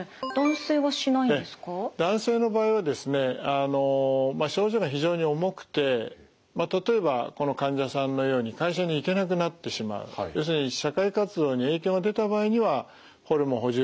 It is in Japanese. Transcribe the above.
あの症状が非常に重くて例えばこの患者さんのように会社に行けなくなってしまう要するに社会活動に影響が出た場合にはホルモン補充療法も考慮いたします。